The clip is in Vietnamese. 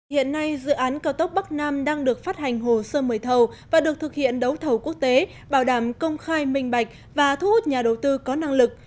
hiện nay dự án cao tốc bắc nam đang được phát hành hồ sơ mời thầu và được thực hiện đấu thầu quốc tế bảo đảm công khai minh bạch và thu hút nhà đầu tư có năng lực